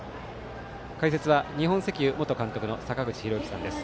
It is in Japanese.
解説は日本石油元監督の坂口裕之さんです。